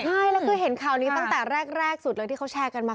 ใช่แล้วคือเห็นข่าวนี้ตั้งแต่แรกสุดเลยที่เขาแชร์กันมา